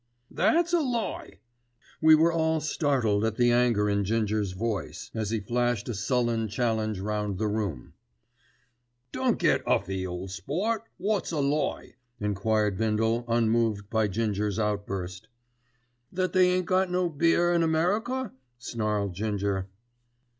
"That's a lie!" We were all startled at the anger in Ginger's voice, as he flashed a sullen challenge round the room. "Don't get 'uffy, ole sport. Wot's a lie?" enquired Bindle, unmoved by Ginger's outburst. "That they ain't got no beer in America," snarled Ginger.